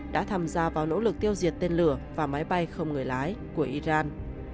đã tham gia vào nỗ lực tiêu diệt tên lửa và máy bay không người lái của iran